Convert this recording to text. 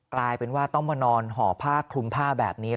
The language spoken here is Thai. กลายเป็นว่าต้องมานอนห่อผ้าคลุมผ้าแบบนี้